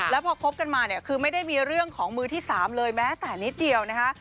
แล้วพอคบกันมาเนี่ยคือไม่ได้มีเรื่องของมือที่๓เลยแม้แต่นิดเดียวนะคะ